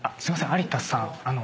有田さん。